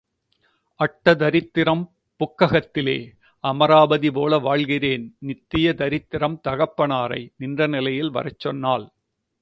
அட்டதரித்திரம் புக்ககத்திலே, அமராவதி போல வாழ்கிறேன் நித்திய தரித்திரம் தகப்பனாரை நின்ற நிலையில் வரச்சொன்னாள்.